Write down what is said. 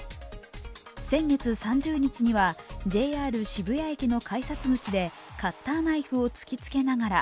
先月３０日にはＪＲ渋谷駅の改札口でカッターナイフを突きつけながら